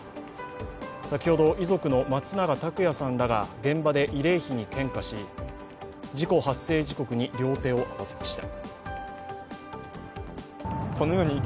先ほど、遺族の松永拓也さんらが現場で慰霊碑に献花し事故発生時刻に両手を合わせました。